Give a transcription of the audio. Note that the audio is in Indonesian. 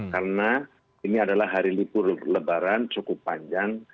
karena ini adalah hari lipur lebaran cukup panjang